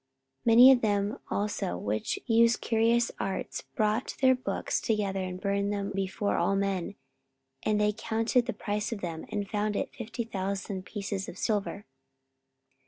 44:019:019 Many of them also which used curious arts brought their books together, and burned them before all men: and they counted the price of them, and found it fifty thousand pieces of silver.